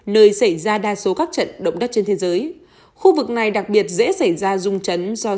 nơi xảy ra đa số các trận động đất trên thế giới khu vực này đặc biệt dễ xảy ra rung chấn do